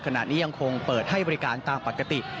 ขณะนี้ยังคงเปิดให้บริการตามปกติ